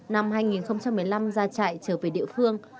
năm hai nghìn một mươi năm ra chạy trở về địa phương